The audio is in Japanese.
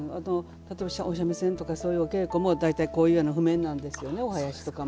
例えばお三味線とかそういうお稽古も大体こういうような譜面なんですよね。